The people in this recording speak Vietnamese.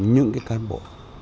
những cái cán bộ